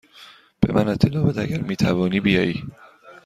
به من اطلاع بده اگر می توانی بیایی.